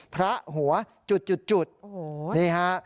พระหัวนี่ค่ะ